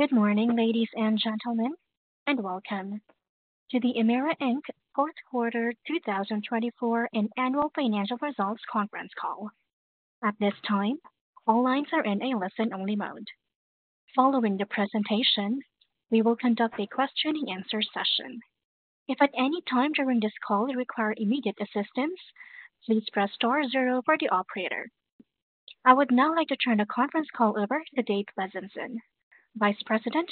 Good morning, ladies and gentlemen, and welcome to the Emera Inc. fourth quarter 2024 annual financial results conference call. At this time, all lines are in a listen-only mode. Following the presentation, we will conduct a question-and-answer session. If at any time during this call you require immediate assistance, please press star zero for the operator. I would now like to turn the conference call over to Dave Bezanson, Vice President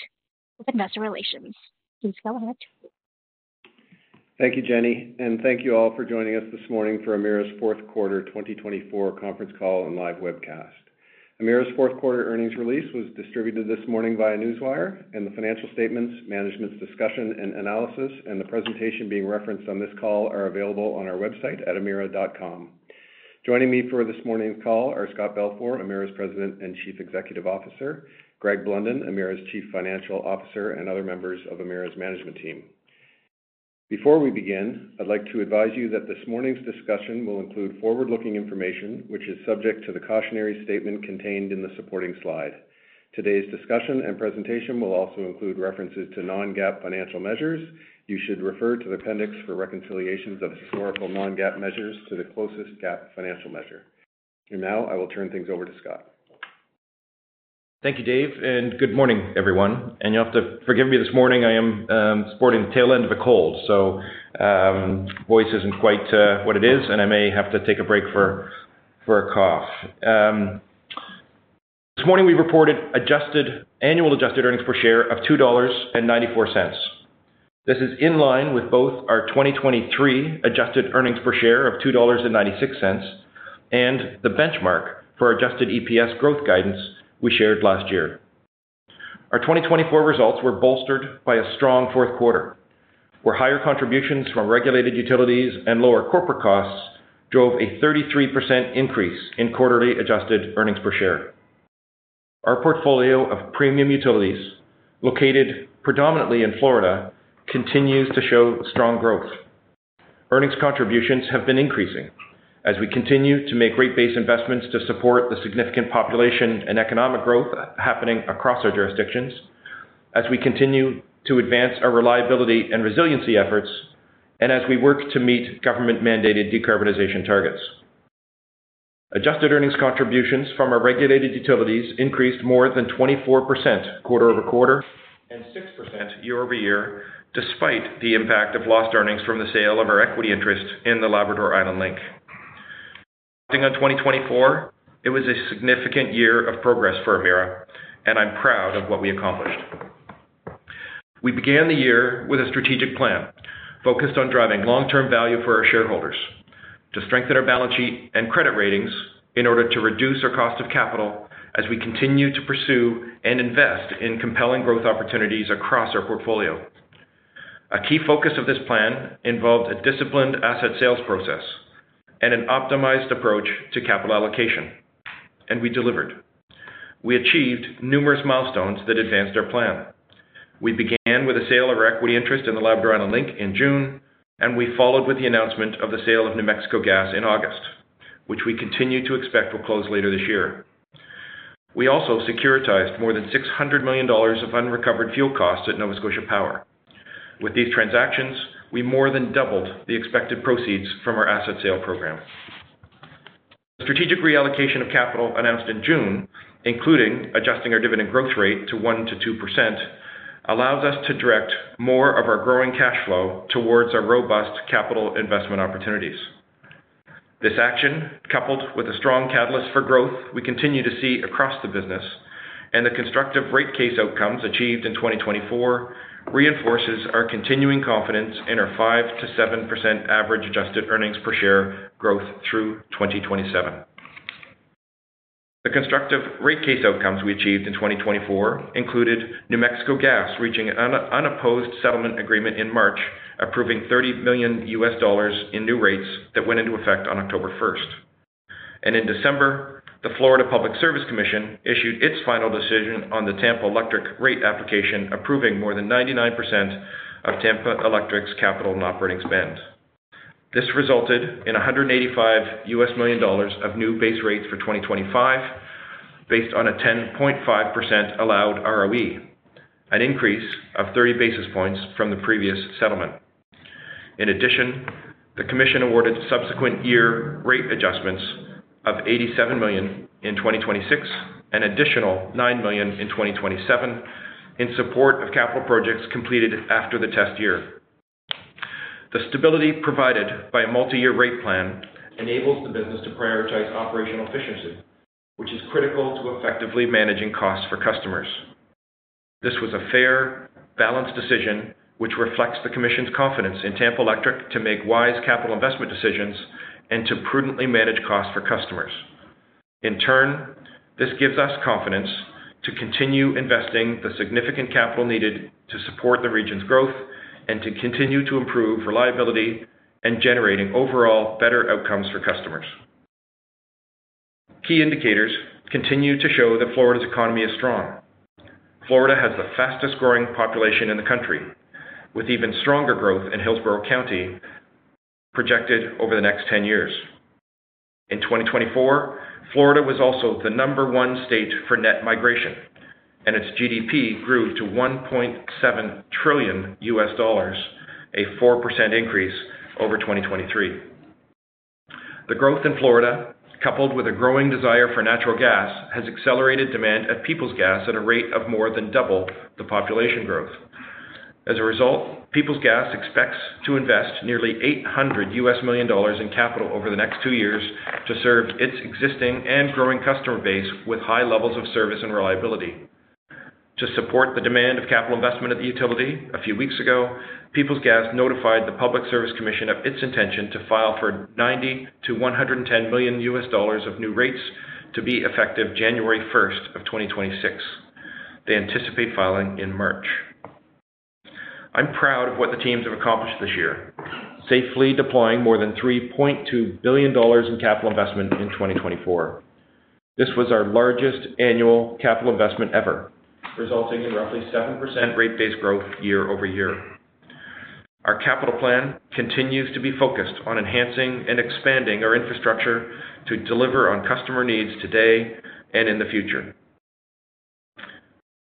of Investor Relations. Please go ahead. Thank you, Jenny, and thank you all for joining us this morning for Emera's fourth quarter 2024 conference call and live webcast. Emera's fourth quarter earnings release was distributed this morning via Newswire, and the financial statements, management's discussion and analysis, and the presentation being referenced on this call are available on our website at emera.com. Joining me for this morning's call are Scott Balfour, Emera's President and Chief Executive Officer, Greg Blunden, Emera's Chief Financial Officer, and other members of Emera's management team. Before we begin, I'd like to advise you that this morning's discussion will include forward-looking information, which is subject to the cautionary statement contained in the supporting slide. Today's discussion and presentation will also include references to non-GAAP financial measures. You should refer to the appendix for reconciliations of historical non-GAAP measures to the closest GAAP financial measure. And now I will turn things over to Scott. Thank you, Dave, and good morning, everyone. You'll have to forgive me this morning, I am sporting the tail end of a cold, so voice isn't quite what it is, and I may have to take a break for a cough. This morning we reported adjusted annual adjusted earnings per share of 2.94 dollars. This is in line with both our 2023 adjusted earnings per share of 2.96 dollars and the benchmark for adjusted EPS growth guidance we shared last year. Our 2024 results were bolstered by a strong fourth quarter, where higher contributions from regulated utilities and lower corporate costs drove a 33% increase in quarterly adjusted earnings per share. Our portfolio of premium utilities, located predominantly in Florida, continues to show strong growth. Earnings contributions have been increasing as we continue to make rate-based investments to support the significant population and economic growth happening across our jurisdictions, as we continue to advance our reliability and resiliency efforts, and as we work to meet government-mandated decarbonization targets. Adjusted earnings contributions from our regulated utilities increased more than 24% quarter-over-quarter and 6% year-over-year, despite the impact of lost earnings from the sale of our equity interest in the Labrador Island Link. In 2024, it was a significant year of progress for Emera, and I'm proud of what we accomplished. We began the year with a strategic plan focused on driving long-term value for our shareholders, to strengthen our balance sheet and credit ratings in order to reduce our cost of capital as we continue to pursue and invest in compelling growth opportunities across our portfolio. A key focus of this plan involved a disciplined asset sales process and an optimized approach to capital allocation, and we delivered. We achieved numerous milestones that advanced our plan. We began with a sale of our equity interest in the Labrador Island Link in June, and we followed with the announcement of the sale of New Mexico Gas in August, which we continue to expect will close later this year. We also securitized more than 600 million dollars of unrecovered fuel costs at Nova Scotia Power. With these transactions, we more than doubled the expected proceeds from our asset sale program. The strategic reallocation of capital announced in June, including adjusting our dividend growth rate to 1%-2%, allows us to direct more of our growing cash flow towards our robust capital investment opportunities. This action, coupled with a strong catalyst for growth we continue to see across the business and the constructive rate case outcomes achieved in 2024, reinforces our continuing confidence in our 5%-7% average adjusted earnings per share growth through 2027. The constructive rate case outcomes we achieved in 2024 included New Mexico Gas reaching an unopposed settlement agreement in March, approving $30 million in new rates that went into effect on October 1st, and in December, the Florida Public Service Commission issued its final decision on the Tampa Electric rate application, approving more than 99% of Tampa Electric's capital and operating spend. This resulted in $185 million of new base rates for 2025, based on a 10.5% allowed ROE, an increase of 30 basis points from the previous settlement. In addition, the Commission awarded subsequent year rate adjustments of $87 million in 2026 and an additional $9 million in 2027 in support of capital projects completed after the test year. The stability provided by a multi-year rate plan enables the business to prioritize operational efficiency, which is critical to effectively managing costs for customers. This was a fair, balanced decision, which reflects the Commission's confidence in Tampa Electric to make wise capital investment decisions and to prudently manage costs for customers. In turn, this gives us confidence to continue investing the significant capital needed to support the region's growth and to continue to improve reliability and generate overall better outcomes for customers. Key indicators continue to show that Florida's economy is strong. Florida has the fastest growing population in the country, with even stronger growth in Hillsborough County projected over the next 10 years. In 2024, Florida was also the number one state for net migration, and its GDP grew to $1.7 trillion, a 4% increase over 2023. The growth in Florida, coupled with a growing desire for natural gas, has accelerated demand of Peoples Gas at a rate of more than double the population growth. As a result, Peoples Gas expects to invest nearly $800 million in capital over the next two years to serve its existing and growing customer base with high levels of service and reliability. To support the demand of capital investment at the utility, a few weeks ago, Peoples Gas notified the Public Service Commission of its intention to file for $90 million-$110 million of new rates to be effective January 1st of 2026. They anticipate filing in March. I'm proud of what the teams have accomplished this year, safely deploying more than 3.2 billion dollars in capital investment in 2024. This was our largest annual capital investment ever, resulting in roughly 7% rate-based growth year-over-year. Our capital plan continues to be focused on enhancing and expanding our infrastructure to deliver on customer needs today and in the future.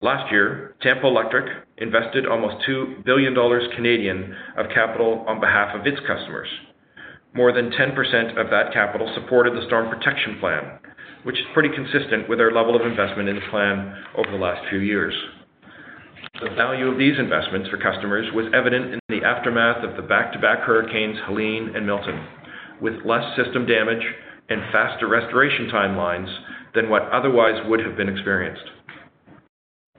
Last year, Tampa Electric invested almost 2 billion Canadian dollars of capital on behalf of its customers. More than 10% of that capital supported the storm protection plan, which is pretty consistent with our level of investment in the plan over the last few years. The value of these investments for customers was evident in the aftermath of the back-to-back hurricanes Helene and Milton, with less system damage and faster restoration timelines than what otherwise would have been experienced.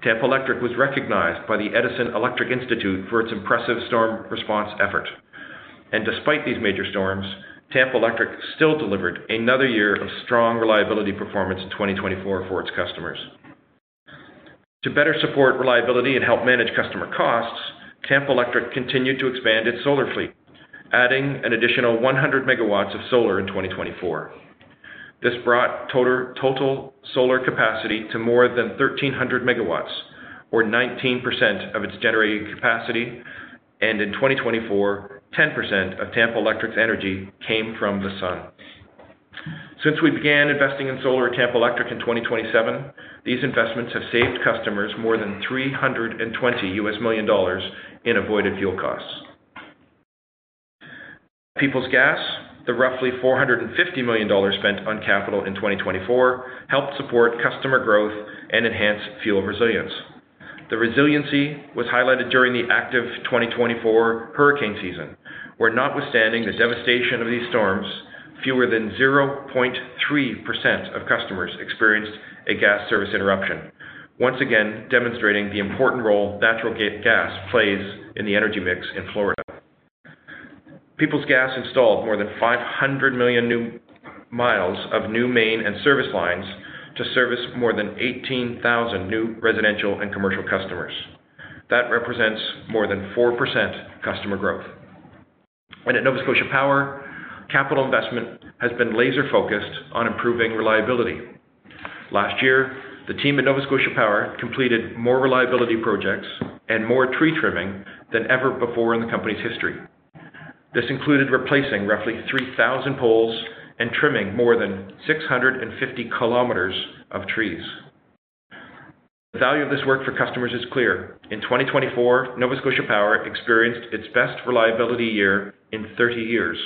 Tampa Electric was recognized by the Edison Electric Institute for its impressive storm response effort, and despite these major storms, Tampa Electric still delivered another year of strong reliability performance in 2024 for its customers. To better support reliability and help manage customer costs, Tampa Electric continued to expand its solar fleet, adding an additional 100 MW of solar in 2024. This brought total solar capacity to more than 1,300 MW, or 19% of its generated capacity, and in 2024, 10% of Tampa Electric's energy came from the sun. Since we began investing in solar at Tampa Electric in 2027, these investments have saved customers more than $320 million in avoided fuel costs. At Peoples Gas, the roughly $450 million spent on capital in 2024 helped support customer growth and enhance fuel resilience. The resiliency was highlighted during the active 2024 hurricane season, where, notwithstanding the devastation of these storms, fewer than 0.3% of customers experienced a gas service interruption, once again demonstrating the important role natural gas plays in the energy mix in Florida. Peoples Gas installed more than 500 million miles of new main and service lines to service more than 18,000 new residential and commercial customers. That represents more than 4% customer growth. At Nova Scotia Power, capital investment has been laser-focused on improving reliability. Last year, the team at Nova Scotia Power completed more reliability projects and more tree trimming than ever before in the company's history. This included replacing roughly 3,000 poles and trimming more than 650 kilometers of trees. The value of this work for customers is clear. In 2024, Nova Scotia Power experienced its best reliability year in 30 years.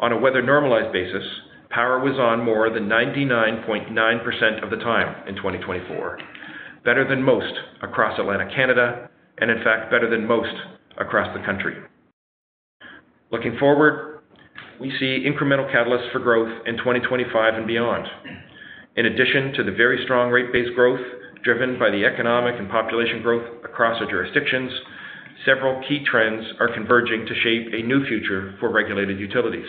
On a weather-normalized basis, power was on more than 99.9% of the time in 2024, better than most across Atlantic Canada, and in fact, better than most across the country. Looking forward, we see incremental catalysts for growth in 2025 and beyond. In addition to the very strong rate-based growth driven by the economic and population growth across our jurisdictions, several key trends are converging to shape a new future for regulated utilities.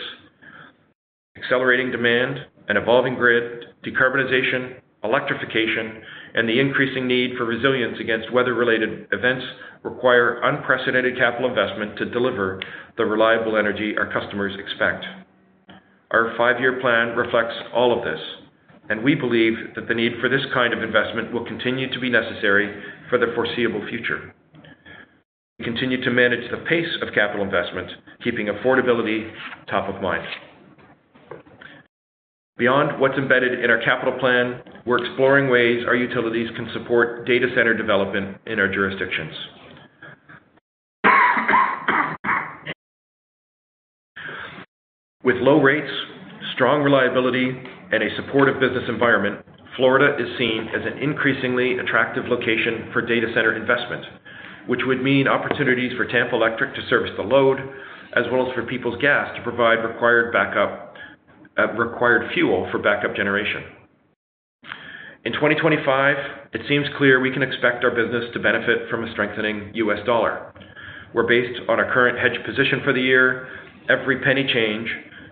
Accelerating demand and evolving grid, decarbonization, electrification, and the increasing need for resilience against weather-related events require unprecedented capital investment to deliver the reliable energy our customers expect. Our five-year plan reflects all of this, and we believe that the need for this kind of investment will continue to be necessary for the foreseeable future. We continue to manage the pace of capital investment, keeping affordability top of mind. Beyond what's embedded in our capital plan, we're exploring ways our utilities can support data center development in our jurisdictions. With low rates, strong reliability, and a supportive business environment, Florida is seen as an increasingly attractive location for data center investment, which would mean opportunities for Tampa Electric to service the load, as well as for Peoples Gas to provide required fuel for backup generation. In 2025, it seems clear we can expect our business to benefit from a strengthening U.S. dollar. We're based on our current hedge position for the year. Every penny change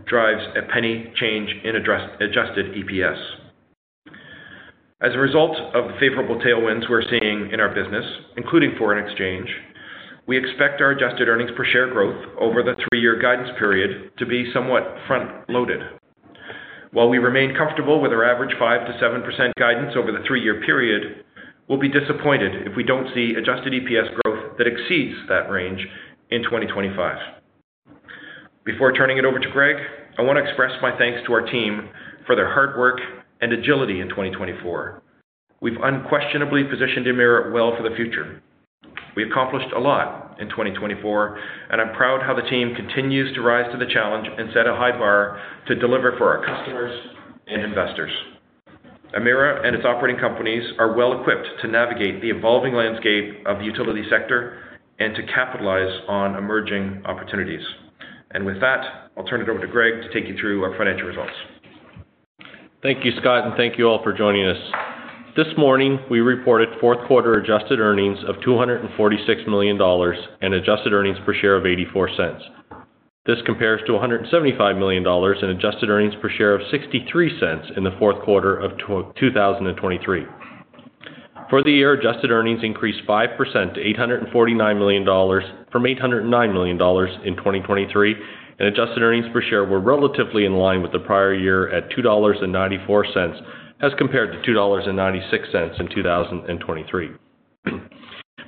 drives a penny change in adjusted EPS. As a result of the favorable tailwinds we're seeing in our business, including foreign exchange, we expect our adjusted earnings per share growth over the three-year guidance period to be somewhat front-loaded. While we remain comfortable with our average 5%-7% guidance over the three-year period, we'll be disappointed if we don't see adjusted EPS growth that exceeds that range in 2025. Before turning it over to Greg, I want to express my thanks to our team for their hard work and agility in 2024. We've unquestionably positioned Emera well for the future. We accomplished a lot in 2024, and I'm proud how the team continues to rise to the challenge and set a high bar to deliver for our customers and investors. Emera and its operating companies are well equipped to navigate the evolving landscape of the utility sector and to capitalize on emerging opportunities. And with that, I'll turn it over to Greg to take you through our financial results. Thank you, Scott, and thank you all for joining us. This morning, we reported fourth quarter adjusted earnings of 246 million dollars and adjusted earnings per share of 0.84. This compares to 175 million dollars and adjusted earnings per share of 0.63 in the fourth quarter of 2023. For the year, adjusted earnings increased 5% to 849 million dollars from 809 million dollars in 2023, and adjusted earnings per share were relatively in line with the prior year at 2.94 dollars as compared to 2.96 dollars in 2023.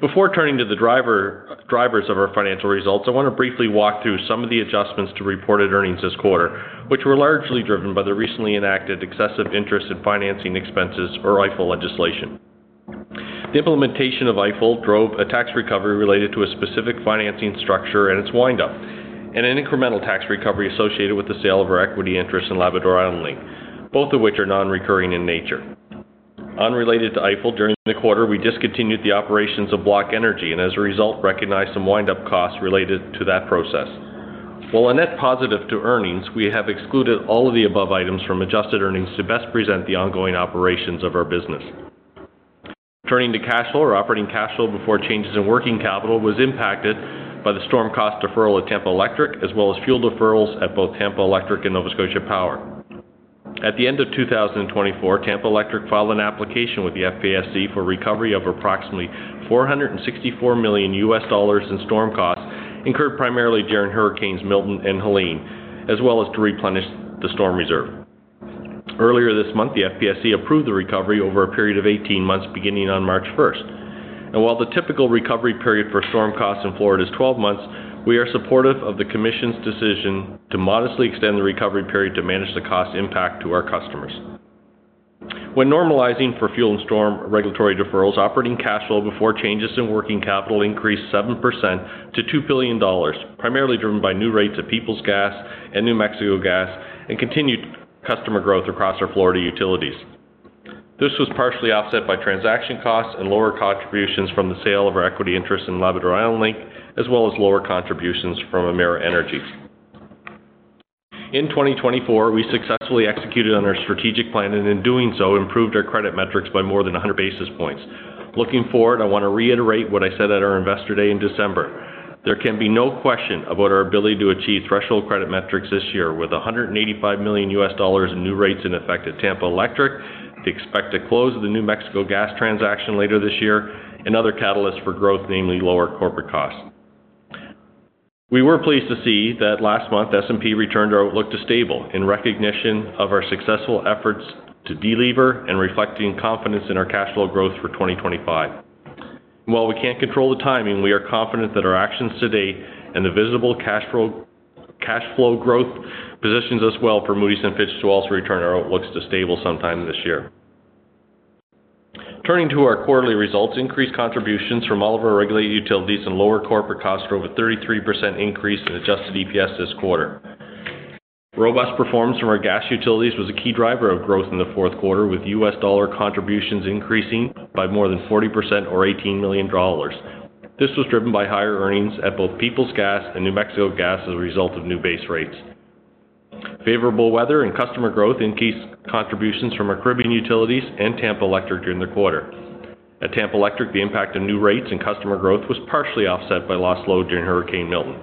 Before turning to the drivers of our financial results, I want to briefly walk through some of the adjustments to reported earnings this quarter, which were largely driven by the recently enacted excessive interest and financing expenses or EIFEL legislation. The implementation of EIFEL drove a tax recovery related to a specific financing structure and its windup, and an incremental tax recovery associated with the sale of our equity interest in Labrador Island Link, both of which are non-recurring in nature. Unrelated to EIFEL, during the quarter, we discontinued the operations of Block Energy and, as a result, recognized some windup costs related to that process. While a net positive to earnings, we have excluded all of the above items from adjusted earnings to best present the ongoing operations of our business. Turning to cash flow, our operating cash flow before changes in working capital was impacted by the storm cost deferral at Tampa Electric, as well as fuel deferrals at both Tampa Electric and Nova Scotia Power. At the end of 2024, Tampa Electric filed an application with the FPSC for recovery of approximately $464 million in storm costs incurred primarily during hurricanes Milton and Helene, as well as to replenish the storm reserve. Earlier this month, the FPSC approved the recovery over a period of 18 months beginning on March 1st. While the typical recovery period for storm costs in Florida is 12 months, we are supportive of the Commission's decision to modestly extend the recovery period to manage the cost impact to our customers. When normalizing for fuel and storm regulatory deferrals, operating cash flow before changes in working capital increased 7% to $2 billion, primarily driven by new rates of Peoples Gas and New Mexico Gas and continued customer growth across our Florida utilities. This was partially offset by transaction costs and lower contributions from the sale of our equity interest in Labrador Island Link, as well as lower contributions from Emera Energy. In 2024, we successfully executed on our strategic plan and, in doing so, improved our credit metrics by more than 100 basis points. Looking forward, I want to reiterate what I said at our investor day in December. There can be no question about our ability to achieve threshold credit metrics this year. With $185 million in new rates in effect at Tampa Electric, to expect a close of the New Mexico Gas transaction later this year, and other catalysts for growth, namely lower corporate costs. We were pleased to see that last month, S&P returned our outlook to stable in recognition of our successful efforts to deliver and reflecting confidence in our cash flow growth for 2025. While we can't control the timing, we are confident that our actions today and the visible cash flow growth positions us well for Moody's and Fitch to also return our outlooks to stable sometime this year. Turning to our quarterly results, increased contributions from all of our regulated utilities and lower corporate costs drove a 33% increase in adjusted EPS this quarter. Robust performance from our gas utilities was a key driver of growth in the fourth quarter, with U.S. dollar contributions increasing by more than 40% or $18 million. This was driven by higher earnings at both Peoples Gas and New Mexico Gas as a result of new base rates. Favorable weather and customer growth increased contributions from our Caribbean utilities and Tampa Electric during the quarter. At Tampa Electric, the impact of new rates and customer growth was partially offset by lost load during Hurricane Milton.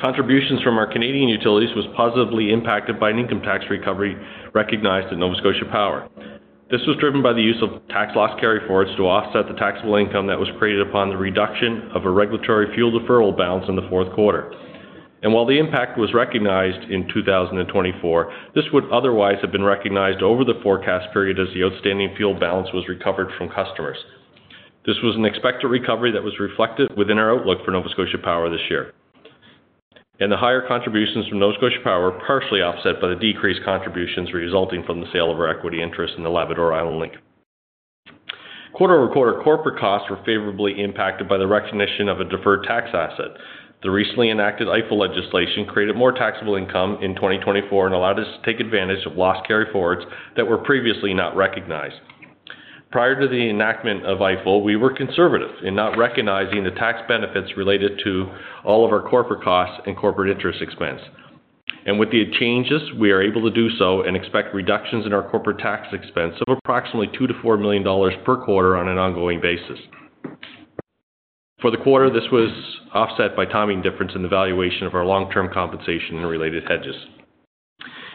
Contributions from our Canadian utilities were positively impacted by an income tax recovery recognized at Nova Scotia Power. This was driven by the use of tax loss carryforwards to offset the taxable income that was created upon the reduction of a regulatory fuel deferral balance in the fourth quarter. While the impact was recognized in 2024, this would otherwise have been recognized over the forecast period as the outstanding fuel balance was recovered from customers. This was an expected recovery that was reflected within our outlook for Nova Scotia Power this year. The higher contributions from Nova Scotia Power were partially offset by the decreased contributions resulting from the sale of our equity interest in the Labrador Island Link. Quarter-over-quarter, corporate costs were favorably impacted by the recognition of a deferred tax asset. The recently enacted EIFEL legislation created more taxable income in 2024 and allowed us to take advantage of tax loss carryforwards that were previously not recognized. Prior to the enactment of EIFEL, we were conservative in not recognizing the tax benefits related to all of our corporate costs and corporate interest expense. And with the changes, we are able to do so and expect reductions in our corporate tax expense of approximately $2 million-$4 million per quarter on an ongoing basis. For the quarter, this was offset by timing difference in the valuation of our long-term compensation and related hedges.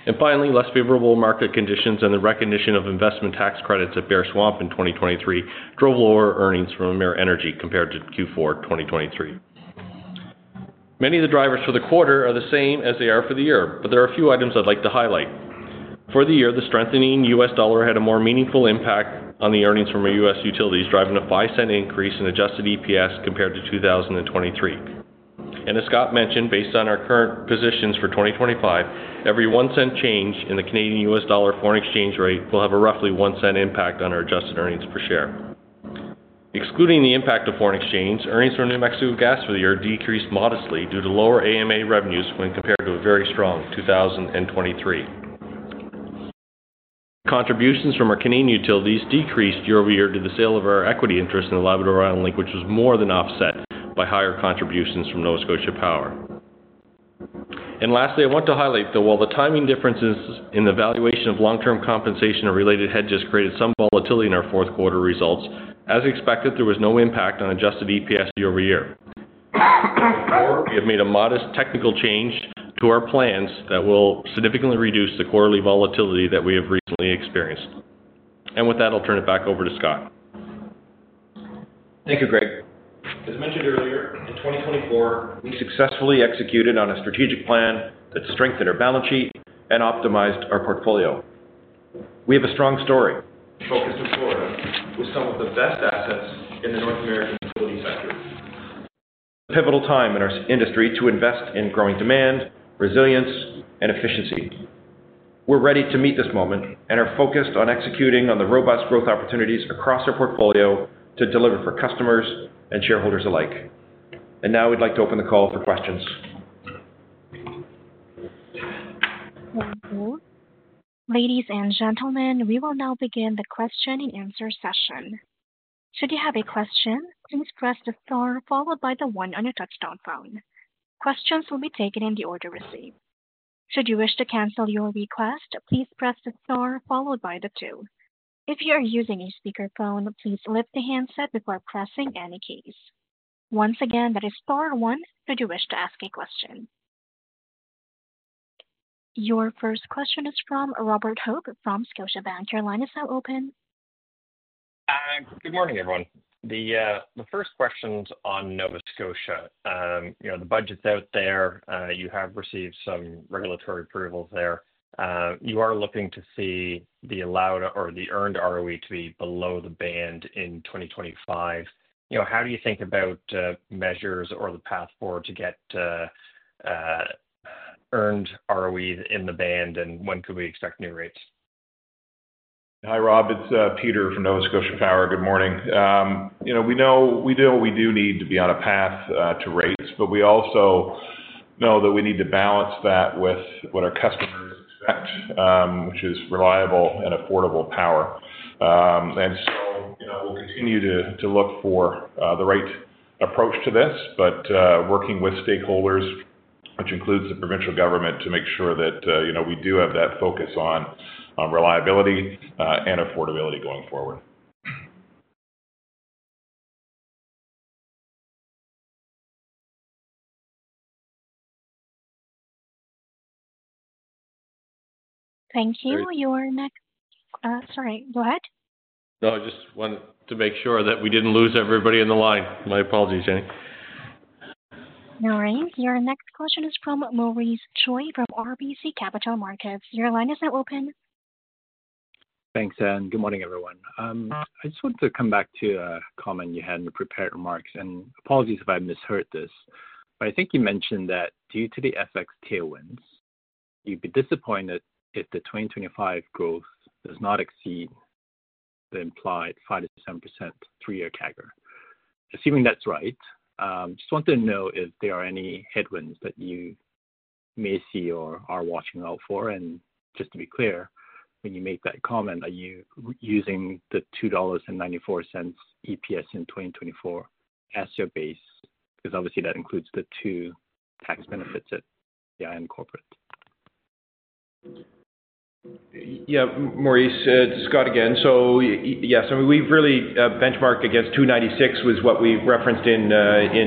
And finally, less favorable market conditions and the recognition of investment tax credits at Bear Swamp in 2023 drove lower earnings from Emera Energy compared to Q4 2023. Many of the drivers for the quarter are the same as they are for the year, but there are a few items I'd like to highlight. For the year, the strengthening U.S. dollar had a more meaningful impact on the earnings from our U.S. utilities, driving a 0.05 increase in adjusted EPS compared to 2023, and as Scott mentioned, based on our current positions for 2025, every one-cent change in the Canadian-U.S. dollar foreign exchange rate will have a roughly one-cent impact on our adjusted earnings per share. Excluding the impact of foreign exchange, earnings from New Mexico Gas for the year decreased modestly due to lower AMA revenues when compared to a very strong 2023. Contributions from our Canadian utilities decreased year-over-year due to the sale of our equity interest in the Labrador Island Link, which was more than offset by higher contributions from Nova Scotia Power, and lastly, I want to highlight that while the timing differences in the valuation of long-term compensation and related hedges created some volatility in our fourth quarter results, as expected, there was no impact on adjusted EPS year-over-year. We have made a modest technical change to our plans that will significantly reduce the quarterly volatility that we have recently experienced, and with that, I'll turn it back over to Scott. Thank you, Greg. As mentioned earlier, in 2024, we successfully executed on a strategic plan that strengthened our balance sheet and optimized our portfolio. We have a strong story, focused on Florida, with some of the best assets in the North American utility sector. It's a pivotal time in our industry to invest in growing demand, resilience, and efficiency. We're ready to meet this moment and are focused on executing on the robust growth opportunities across our portfolio to deliver for customers and shareholders alike, and now we'd like to open the call for questions. Ladies and gentlemen, we will now begin the question and answer session. Should you have a question, please press the star followed by the one on your touch-tone phone. Questions will be taken in the order received. Should you wish to cancel your request, please press the star followed by the two. If you are using a speakerphone, please lift the handset before pressing any keys. Once again, that is star one. Should you wish to ask a question? Your first question is from Robert Hope from Scotiabank. Caller, your line is open. Good morning, everyone. The first question's on Nova Scotia. The budget's out there. You have received some regulatory approvals there. You are looking to see the allowed or the earned ROE to be below the band in 2025. How do you think about measures or the path forward to get earned ROEs in the band, and when could we expect new rates? Hi, Rob. It's Peter from Nova Scotia Power. Good morning. We know we do what we do need to be on a path to rates, but we also know that we need to balance that with what our customers expect, which is reliable and affordable power. And so we'll continue to look for the right approach to this, but working with stakeholders, which includes the provincial government, to make sure that we do have that focus on reliability and affordability going forward. Thank you. Your next, sorry, go ahead. No, I just wanted to make sure that we didn't lose everybody on the line. My apologies, Jenny. All right. Your next question is from Maurice Choy from RBC Capital Markets. Your line is now open. Thanks, Jenny. Good morning, everyone. I just wanted to come back to a comment you had in the prepared remarks, and apologies if I misheard this, but I think you mentioned that due to the FX tailwinds, you'd be disappointed if the 2025 growth does not exceed the implied 5%-7% three-year CAGR. Assuming that's right, I just wanted to know if there are any headwinds that you may see or are watching out for. And just to be clear, when you make that comment, are you using the $2.94 EPS in 2024 as your base? Because obviously, that includes the two tax benefits at the Emera corporate. Yeah, Maurice, Scott again. Yes, I mean, we've really benchmarked against 2.96, which was what we referenced in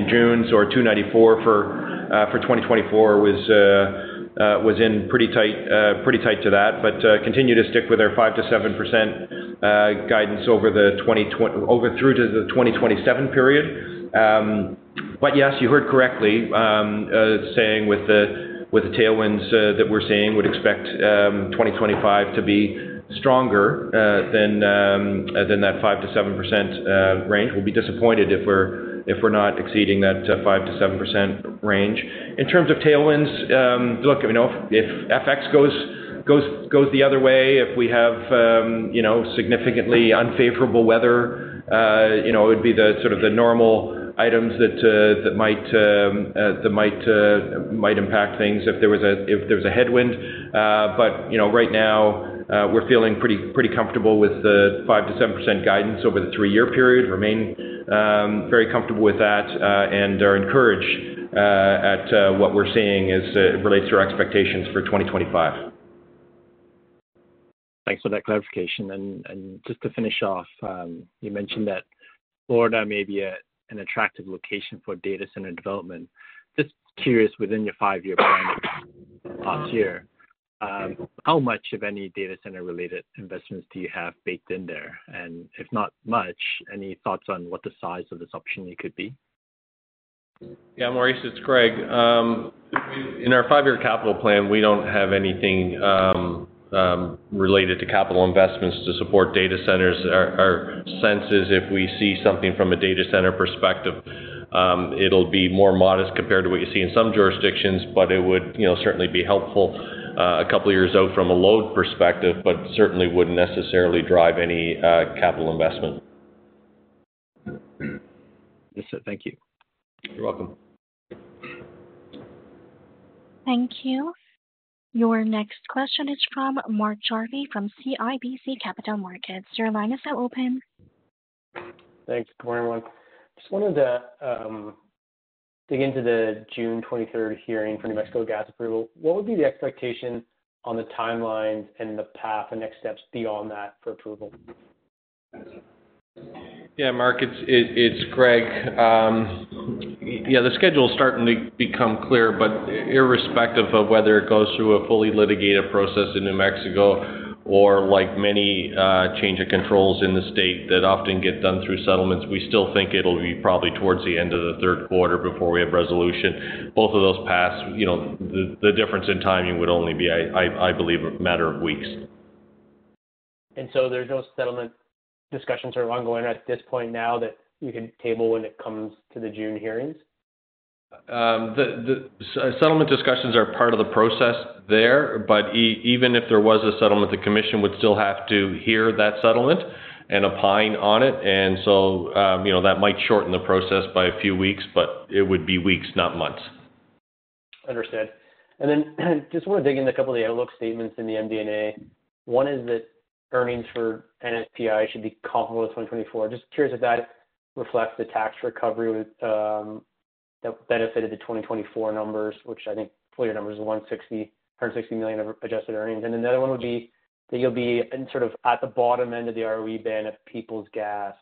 June, or 2.94 for 2024 was in pretty tight to that, but continue to stick with our 5%-7% guidance over through to the 2027 period. Yes, you heard correctly saying with the tailwinds that we're seeing, we would expect 2025 to be stronger than that 5%-7% range. We'll be disappointed if we're not exceeding that 5%-7% range. In terms of tailwinds, look, if FX goes the other way, if we have significantly unfavorable weather, it would be the sort of normal items that might impact things if there was a headwind. But right now, we're feeling pretty comfortable with the 5%-7% guidance over the three-year period. We remain very comfortable with that and are encouraged at what we're seeing as it relates to our expectations for 2025. Thanks for that clarification. And just to finish off, you mentioned that Florida may be an attractive location for data center development. Just curious, within your five-year plan last year, how much, if any, data center-related investments do you have baked in there? And if not much, any thoughts on what the size of this option could be? Yeah, Maurice, it's Gregg. In our five-year capital plan, we don't have anything related to capital investments to support data centers. Our sense is if we see something from a data center perspective, it'll be more modest compared to what you see in some jurisdictions, but it would certainly be helpful a couple of years out from a load perspective, but certainly wouldn't necessarily drive any capital investment. Yes, sir. Thank you. You're welcome. Thank you. Your next question is from Mark Jarvi from CIBC Capital Markets. Your line is now open. Thanks, everyone. Just wanted to dig into the June 23rd hearing for New Mexico Gas approval. What would be the expectation on the timelines and the path and next steps beyond that for approval? Yeah, Mark, it's Gregg. Yeah, the schedule is starting to become clear, but irrespective of whether it goes through a fully litigated process in New Mexico or like many change of controls in the state that often get done through settlements, we still think it'll be probably towards the end of the third quarter before we have resolution. Both of those paths, the difference in timing would only be, I believe, a matter of weeks. So there's no settlement discussions that are ongoing at this point now that you can table when it comes to the June hearings? Settlement discussions are part of the process there, but even if there was a settlement, the commission would still have to hear that settlement and opine on it. That might shorten the process by a few weeks, but it would be weeks, not months. Understood. Then just want to dig into a couple of the outlook statements in the MD&A. One is that earnings for NSPI should be comparable to 2024. Just curious if that reflects the tax recovery that benefited the 2024 numbers, which I think for your numbers is 160 million adjusted earnings. Then the other one would be that you'll be sort of at the bottom end of the ROE band of Peoples Gas.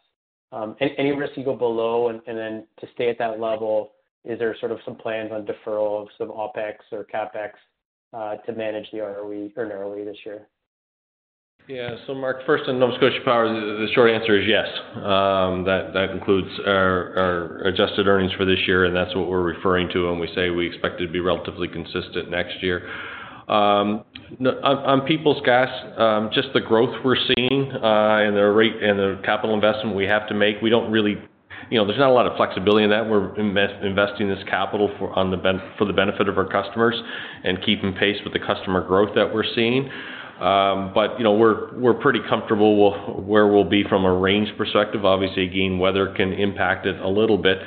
Any risk you go below and then to stay at that level, is there sort of some plans on deferral of some OpEx or CapEx to manage the ROE earlier this year? Yeah. So Mark, first on Nova Scotia Power, the short answer is yes. That includes our adjusted earnings for this year, and that's what we're referring to when we say we expect it to be relatively consistent next year. On Peoples Gas, just the growth we're seeing and the capital investment we have to make, we don't really. There's not a lot of flexibility in that. We're investing this capital for the benefit of our customers and keeping pace with the customer growth that we're seeing. But we're pretty comfortable where we'll be from a range perspective. Obviously, again, weather can impact it a little bit.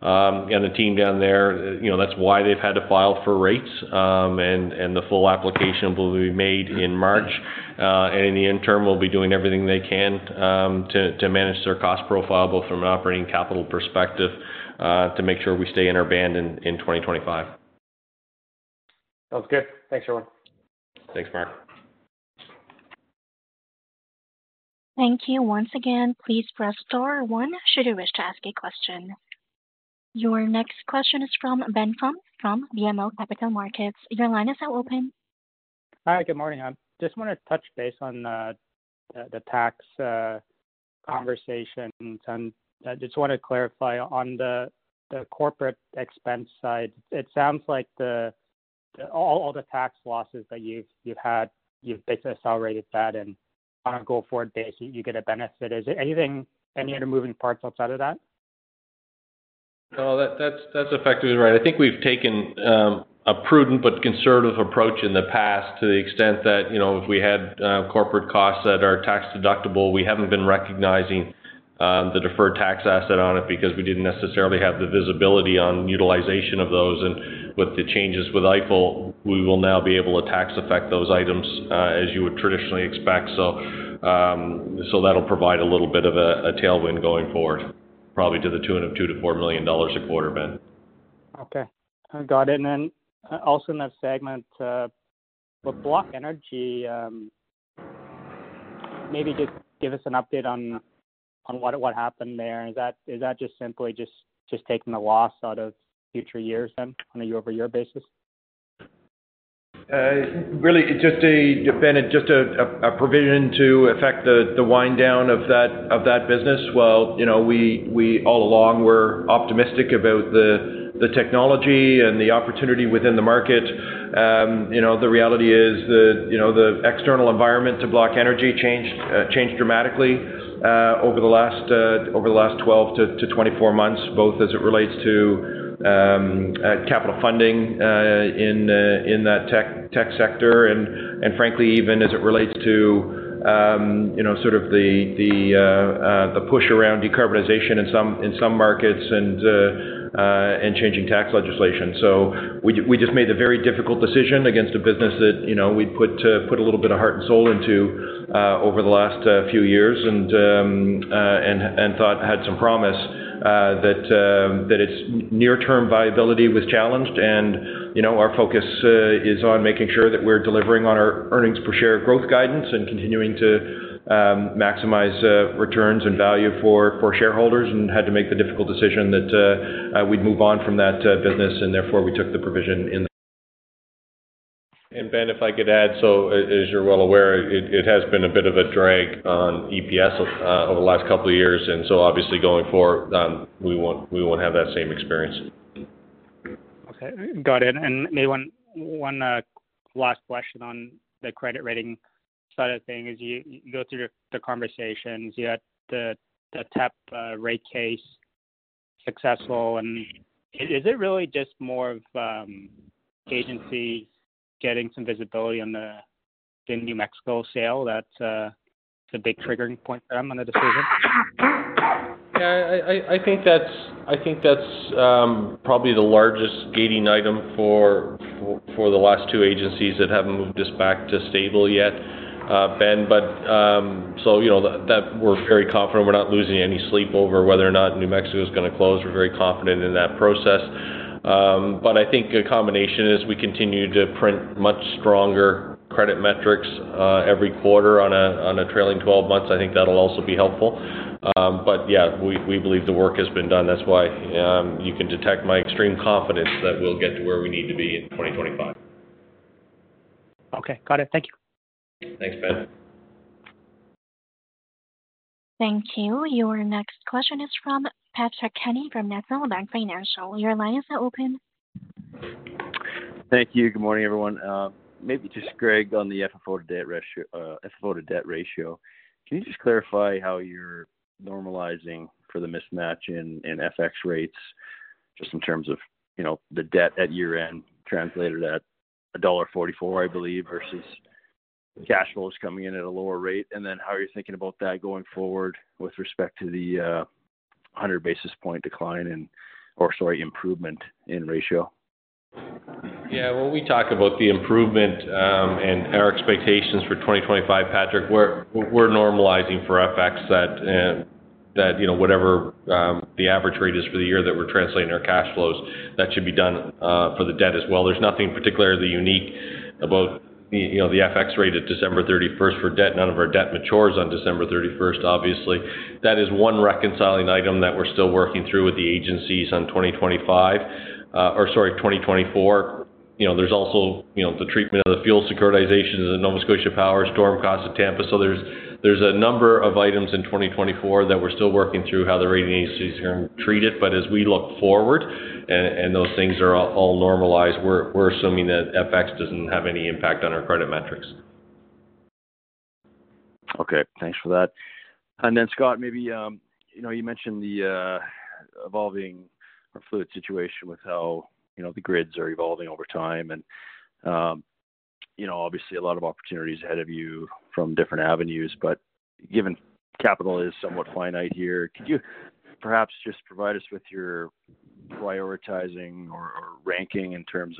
The team down there, that's why they've had to file for rates, and the full application will be made in March. In the interim, we'll be doing everything they can to manage their cost profile, both from an operating capital perspective, to make sure we stay in our band in 2025. Sounds good. Thanks, everyone. Thanks, Mark. Thank you. Once again, please press star one should you wish to ask a question. Your next question is from Ben Pham from BMO Capital Markets. Your line is now open. Hi, good morning. I just want to touch base on the tax conversations. I just want to clarify on the corporate expense side. It sounds like all the tax losses that you've had, you've basically accelerated that, and on a go-forward basis, you get a benefit. Is there any other moving parts outside of that? No, that's effectively right. I think we've taken a prudent but conservative approach in the past to the extent that if we had corporate costs that are tax-deductible, we haven't been recognizing the deferred tax asset on it because we didn't necessarily have the visibility on utilization of those. With the changes with EIFEL, we will now be able to tax-affect those items as you would traditionally expect. So that'll provide a little bit of a tailwind going forward, probably to the tune of 2 million-4 million dollars a quarter, Ben. Okay. I got it. And then also in that segment, with Block Energy, maybe just give us an update on what happened there. Is that just simply just taking the loss out of future years then on a year-over-year basis? Really, it just depended on just a provision to reflect the wind down of that business. We all along were optimistic about the technology and the opportunity within the market. The reality is that the external environment to Block Energy changed dramatically over the last 12-24 months, both as it relates to capital funding in that tech sector and, frankly, even as it relates to sort of the push around decarbonization in some markets and changing tax legislation. So we just made a very difficult decision against a business that we'd put a little bit of heart and soul into over the last few years and thought had some promise that its near-term viability was challenged. And our focus is on making sure that we're delivering on our earnings per share growth guidance and continuing to maximize returns and value for shareholders, and had to make the difficult decision that we'd move on from that business, and therefore we took the provision in. And Ben, if I could add, so as you're well aware, it has been a bit of a drag on EPS over the last couple of years. And so obviously, going forward, we won't have that same experience. Okay. Got it. And maybe one last question on the credit rating side of things. You go through the conversations, you had the TEP rate case successful. And is it really just more of agencies getting some visibility on the New Mexico sale? That's a big triggering point for them on the decision. Yeah, I think that's probably the largest gating item for the last two agencies that haven't moved us back to stable yet, Ben. But so we're very confident we're not losing any sleep over whether or not New Mexico is going to close. We're very confident in that process. But I think a combination is we continue to print much stronger credit metrics every quarter on a trailing 12 months. I think that'll also be helpful. But yeah, we believe the work has been done. That's why you can detect my extreme confidence that we'll get to where we need to be in 2025. Okay. Got it. Thank you. Thanks, Ben. Thank you. Your next question is from Patrick Kenny from National Bank Financial. Your line is now open. Thank you. Good morning, everyone. Maybe just Greg on the FFO to debt ratio. Can you just clarify how you're normalizing for the mismatch in FX rates just in terms of the debt at year-end translated at $1.44, I believe, versus cash flows coming in at a lower rate? How are you thinking about that going forward with respect to the 100 basis point decline or, sorry, improvement in ratio? Yeah. We talk about the improvement and our expectations for 2025, Patrick. We're normalizing for FX that whatever the average rate is for the year that we're translating our cash flows, that should be done for the debt as well. There's nothing particularly unique about the FX rate at December 31st for debt. None of our debt matures on December 31st, obviously. That is one reconciling item that we're still working through with the agencies on 2025 or, sorry, 2024. There's also the treatment of the fuel securitizations in Nova Scotia Power, storm costs at Tampa. There's a number of items in 2024 that we're still working through how the rating agencies are going to treat it. But as we look forward and those things are all normalized, we're assuming that FX doesn't have any impact on our credit metrics. Okay. Thanks for that. And then, Scott, maybe you mentioned the evolving fluid situation with how the grids are evolving over time. And obviously, a lot of opportunities ahead of you from different avenues. But given capital is somewhat finite here, could you perhaps just provide us with your prioritizing or ranking in terms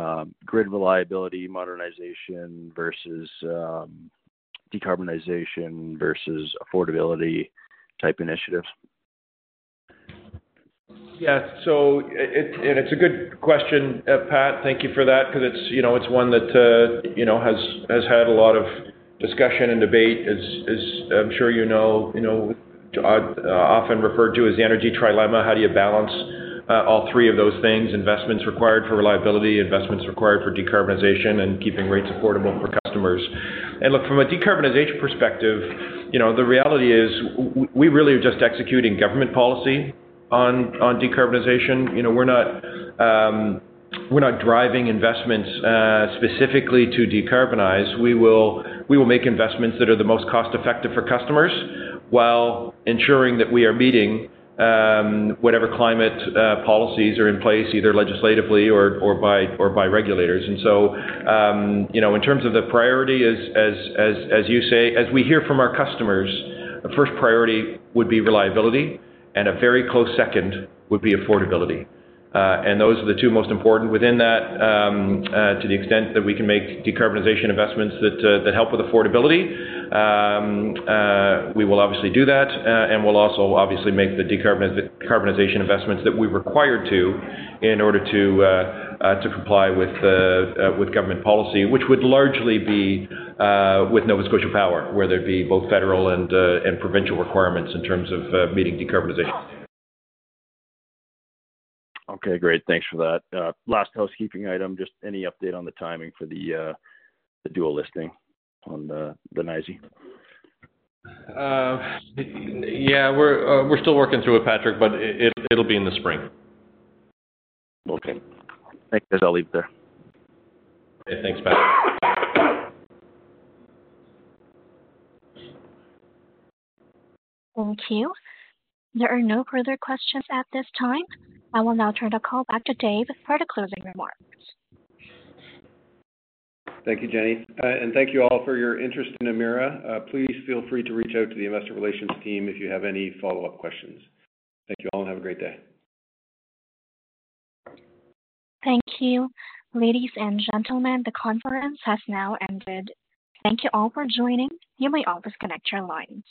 of grid reliability, modernization versus decarbonization versus affordability type initiatives? Yeah. And it's a good question, Pat. Thank you for that because it's one that has had a lot of discussion and debate, as I'm sure you know, often referred to as the energy trilemma. How do you balance all three of those things? Investments required for reliability, investments required for decarbonization, and keeping rates affordable for customers. Look, from a decarbonization perspective, the reality is we really are just executing government policy on decarbonization. We're not driving investments specifically to decarbonize. We will make investments that are the most cost-effective for customers while ensuring that we are meeting whatever climate policies are in place, either legislatively or by regulators. In terms of the priority, as you say, as we hear from our customers, the first priority would be reliability, and a very close second would be affordability. Those are the two most important. Within that, to the extent that we can make decarbonization investments that help with affordability, we will obviously do that. We'll also obviously make the decarbonization investments that we're required to in order to comply with government policy, which would largely be with Nova Scotia Power, where there'd be both federal and provincial requirements in terms of meeting decarbonization. Okay. Great. Thanks for that. Last housekeeping item, just any update on the timing for the dual listing on the NYSE? Yeah. We're still working through it, Patrick, but it'll be in the spring. Okay. Thank you. I'll leave it there. Okay. Thanks, Patrick. Thank you. There are no further questions at this time. I will now turn the call back to Dave for the closing remarks. Thank you, Jenny. And thank you all for your interest in Emera. Please feel free to reach out to the investor relations team if you have any follow-up questions. Thank you all, and have a great day. Thank you. Ladies and gentlemen, the conference has now ended. Thank you all for joining. You may now disconnect your lines.